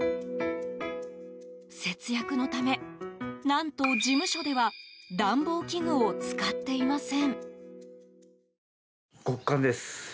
節約のため、何と事務所では暖房器具を使っていません。